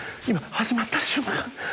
今始まった瞬間